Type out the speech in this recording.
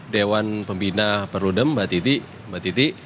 dewan pembina perludem mbak titi